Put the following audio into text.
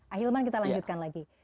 ahilman kita lanjutkan lagi